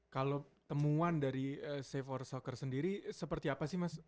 kalau temuan dari sep aor soekar sendiri seperti apa sih mas